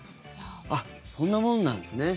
そんなもんなんですね。